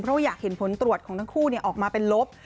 เพราะอยากเห็นผลตรวจของทั้งคู่ออกมาเป็นลบ